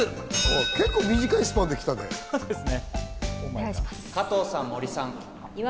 結構短いスパンできたね。